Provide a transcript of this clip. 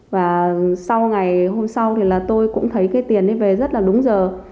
và sau ngày hôm sau thì là tôi cũng thấy cái tiền ấy về rất là đúng giờ